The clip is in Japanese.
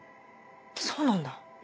そうなんだ。